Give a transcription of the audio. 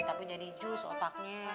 tapi jadi jus otaknya